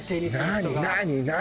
何？